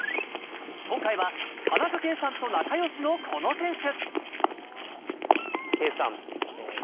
今回は田中圭さんと仲よしのこの選手。